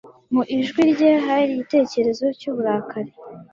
Mu ijwi rye hari igitekerezo cy'uburakari